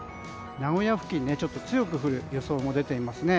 名古屋付近、ちょっと強く降る予想も出ていますね。